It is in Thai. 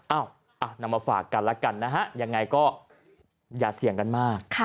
นำมาฝากกันแล้วกันนะฮะยังไงก็อย่าเสี่ยงกันมาก